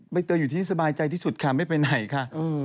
ใบเตยอยู่ที่สบายใจที่สุดค่ะไม่ไปไหนค่ะ